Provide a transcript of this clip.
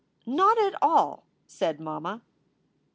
"Not at all," said mamma.